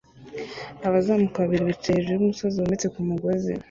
Abazamuka babiri bicaye hejuru yumusozi wometse ku mugozi